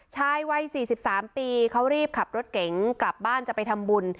ชายวัย๔๓ปีเขารีบขับรถเก๋งกลับบ้านจะไปทำบุญ